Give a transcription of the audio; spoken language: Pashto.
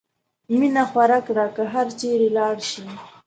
مینه خوره کړه که هر چېرې لاړ شې.